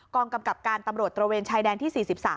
กำกับการตำรวจตระเวนชายแดนที่๔๓